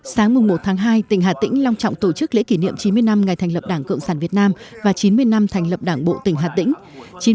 sáng một tháng hai tỉnh hà tĩnh long trọng tổ chức lễ kỷ niệm chín mươi năm ngày thành lập đảng cộng sản việt nam và chín mươi năm thành lập đảng bộ tỉnh hà tĩnh